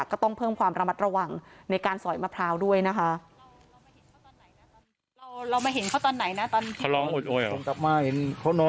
ก็ต้องเพิ่มความระมัดระวังในการสอยมะพร้าวด้วยนะคะ